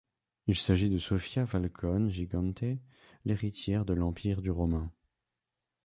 Il s'agit de Sofia Falcone Gigante, l'héritière de l'empire du Romain.